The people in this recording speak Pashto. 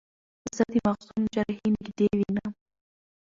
زه د مغزو جراحي نږدې وینم.